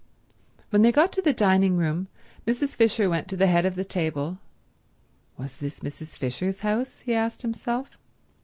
When they got to the dining room Mrs. Fisher went to the head of the table—was this Mrs. Fisher's house? He asked himself.